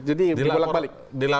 jadi diulang balik